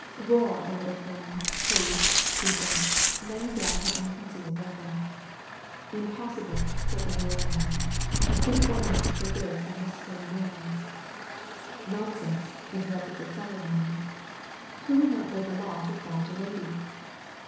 "Roar a little for me, please," she said, laying down her unconcealed weapon. "Impossible," said the Northern Lion, "a city ordinance forbids unnecessary noise." 223 THE VALLEY OF VISION "Nonsense!" interrupted the Southern Lion. ,"Who would not break a law to oblige a lady?"